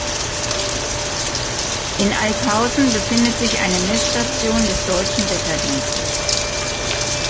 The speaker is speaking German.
In Alfhausen befindet sich eine Messstation des Deutschen Wetterdienstes.